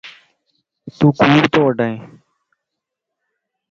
تون ڪوڙ تو وڊائين